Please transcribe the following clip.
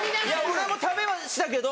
俺も食べましたけど